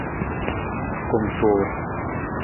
Kumtuur.